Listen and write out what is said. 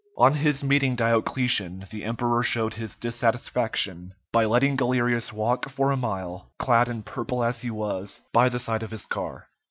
On his meeting Diocletian, the emperor showed his dissatisfaction by letting Galerius walk for a mile, clad in purple as he was, by the side of his car.